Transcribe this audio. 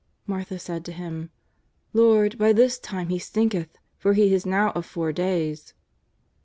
Martha saith to Him :" Lord, by this time he stinketh, for he is now of four days."